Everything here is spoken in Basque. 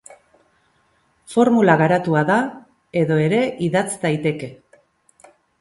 Formula garatua da, edo ere idatz daiteke.